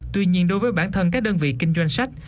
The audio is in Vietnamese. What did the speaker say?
tuy nhiên đối với bản thân các đơn vị kinh doanh sách